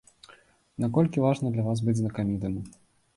Наколькі важна для вас быць знакамітым?